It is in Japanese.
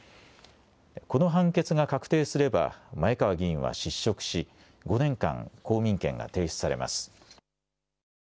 この判決が確定すれば前川議員は失職し５年間、公民権が停止されます。